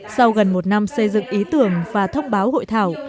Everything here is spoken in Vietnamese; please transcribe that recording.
sau gần một năm xây dựng ý tưởng và thông báo hội thảo